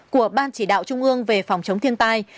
của ban chỉ đạo trung ương về phòng chống thiên tai